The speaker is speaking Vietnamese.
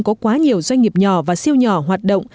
có quá nhiều doanh nghiệp nhỏ và siêu nhỏ hoạt động